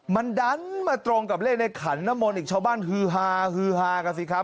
มันดันมาตรงกับเลขในขันน้ำมนต์อีกชาวบ้านฮือฮาฮือฮากันสิครับ